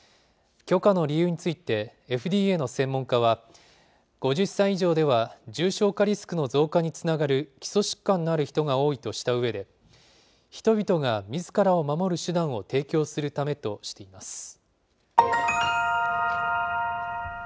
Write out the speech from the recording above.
許可の理由について、ＦＤＡの専門家は、５０歳以上では、重症化リスクの増加につながる基礎疾患のある人が多いとしたうえで、人々がみずからを守る手段を提供するためとしています。